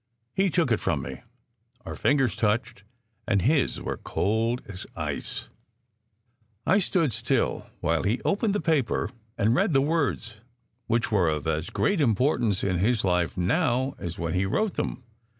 He took it from me. Our fingers touched, and his were cold as ice. I stood still while he opened the paper and read the 306 SECRET HISTORY words which w r ere of as great importance in his life now as when he wrote them.